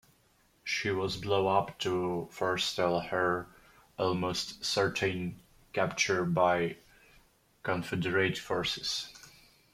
She was blown up to forestall her almost certain capture by Confederate forces.